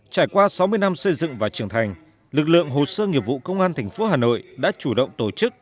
trải qua sáu mươi năm xây dựng và trưởng thành lực lượng hồ sơ nghiệp vụ công an tp hà nội đã chủ động tổ chức